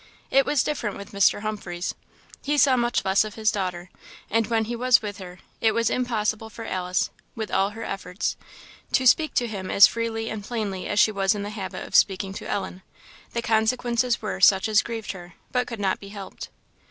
It was different with Mr. Humphreys. He saw much less of his daughter; and when he was with her, it was impossible for Alice, with all her efforts, to speak to him as freely and plainly as she was in the habit of speaking to Ellen. The consequences were such as grieved her, but could not be helped.